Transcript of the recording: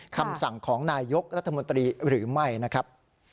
คำสั่งของนายยกรัฐมนตรีหรือไม่นะครับ